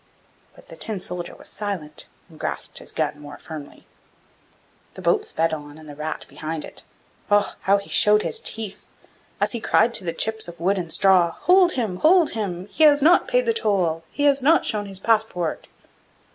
But the Tin soldier was silent, and grasped his gun more firmly. The boat sped on, and the rat behind it. Ugh! how he showed his teeth, as he cried to the chips of wood and straw: 'Hold him, hold him! he has not paid the toll! He has not shown his passport!